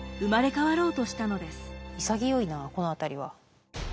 潔いなこの辺りは。